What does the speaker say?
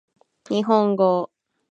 日本語